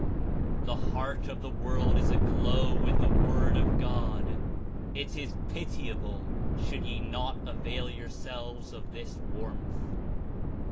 "The heart of the world is aglow with the Word of God. It is pitiable should ye not avail yourselves of this warmth."